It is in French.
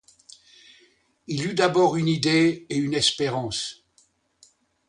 Il eut d'abord une idée et une espérance.